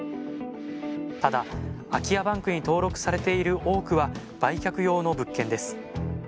ただ空き家バンクに登録されている多くは売却用の物件です。